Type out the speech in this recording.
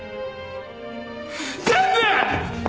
全部！